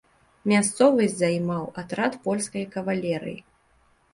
Мясцовасць займаў атрад польскай кавалерыі.